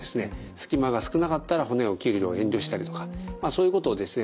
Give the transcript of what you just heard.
隙間が少なかったら骨を切る量を遠慮したりとかまあそういうことをですね